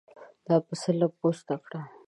دا پسه له پوسته کړه.